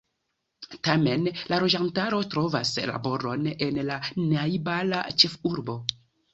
Tamen la loĝantaro trovas laboron en la najbara ĉefurbo.